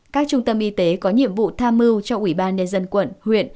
các trung tâm y tế có nhiệm vụ tham mưu cho ủy ban nhân dân quận huyện